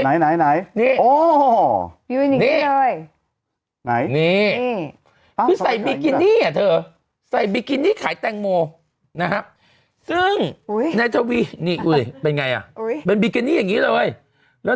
ครึ่งใส่บิกินีอ่ะเธอใส่บิกินีขายแตงโมนะครับ